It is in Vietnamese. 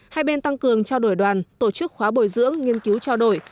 hai bên tăng cường trao đổi đoàn tổ chức khóa bồi dưỡng nghiên cứu trao đổi